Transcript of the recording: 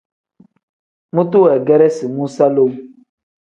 Mutu weegeresi muusa lowu.